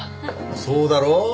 そうだろう？